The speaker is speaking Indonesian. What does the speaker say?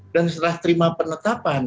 dan setelah terima penetapan